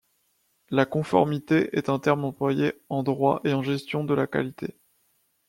La conformité est un terme employé en droit et en gestion de la qualité.